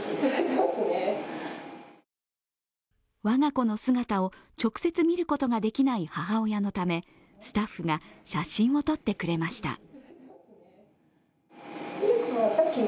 我が子の姿を直接見ることができない母親のため、スタッフが写真を撮ってくれました。